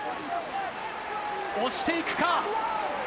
押していくか。